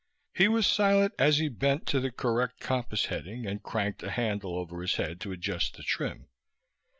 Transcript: He was silent as he bent to the correct compass heading and cranked a handle over his head to adjust the trim.